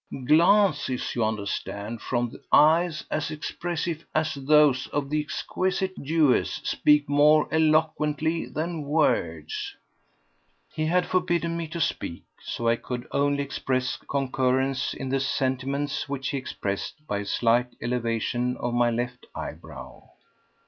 Glances, you understand, from eyes as expressive as those of the exquisite Jewess speak more eloquently than words." He had forbidden me to speak, so I could only express concurrence in the sentiments which he expressed by a slight elevation of my left eyebrow.